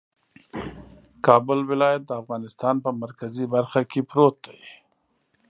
کابل ولایت د افغانستان په مرکزي برخه کې پروت دی